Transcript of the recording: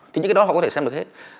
thì những cái đó họ có thể xem được hết